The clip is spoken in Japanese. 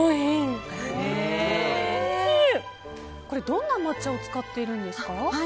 どんな抹茶を使っているんですか？